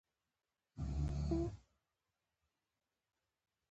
پر استنجا باندې مئين وو.